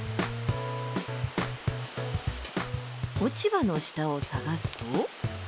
落ち葉の下を探すと。